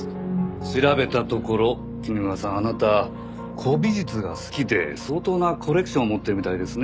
調べたところ衣川さんあなた古美術が好きで相当なコレクションを持っているみたいですね。